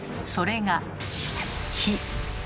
それが火。